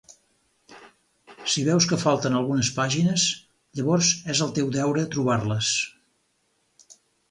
Si veus que falten algunes pàgines, llavors és el teu deure trobar-les.